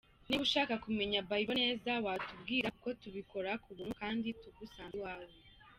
Niba ushaka kumenya Bible neza, watubwira kuko tubikora ku buntu kandi tugusanze iwawe.